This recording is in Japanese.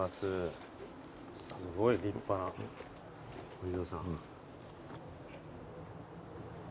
すごい立派なお地蔵さん。